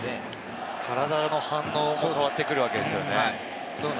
体の反応も変わってくるわけですね。